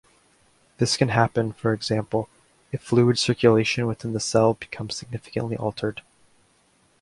This can happen, for example, if fluid circulation within the cell becomes significantly altered.